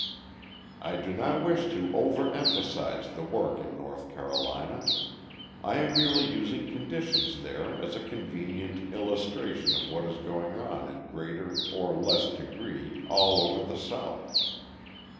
I do not wish to over emphasise the work in North Carolina; I am merely using conditions there as a convenient illustration of what is going on in greater or less degree all over the South.